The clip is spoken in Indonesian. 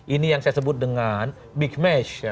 ini yang saya sebut dengan big match